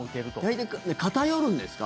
大体偏るんですか？